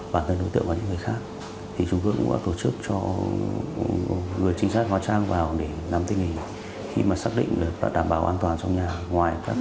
và đưa lại các vị trí